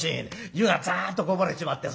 湯がザッとこぼれちまってさ